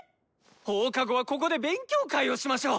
放課後はここで勉強会をしましょう！